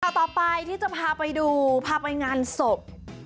ต่อไปที่จะพาไปดูพาไปงานศพ